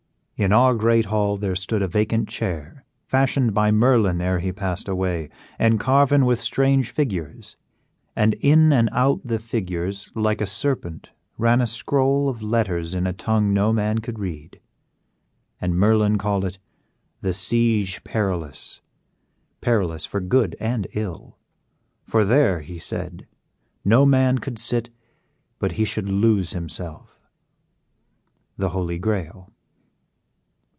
"In our great hall there stood a vacant chair, Fashion'd by Merlin ere he past away, And carven with strange figures; and in and out The figures, like a serpent, ran a scroll Of letters in a tongue no man could read And Merlin call'd it 'The Siege perilous,' Perilous for good and ill; 'for there,' he said, 'No man could sit but he should lose himself.'" The Holy Grail.